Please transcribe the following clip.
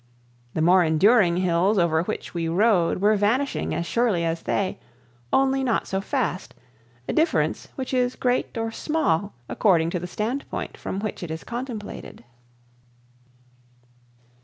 The more enduring hills over which we rode were vanishing as surely as they, only not so fast, a difference which is great or small according to the standpoint from which it is contemplated.